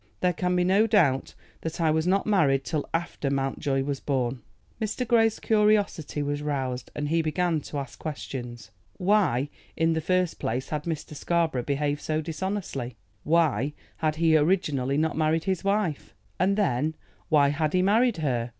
There can be no doubt that I was not married till after Mountjoy was born." Mr. Grey's curiosity was roused, and he began to ask questions. Why, in the first place, had Mr. Scarborough behaved so dishonestly? Why had he originally not married his wife? And then, why had he married her?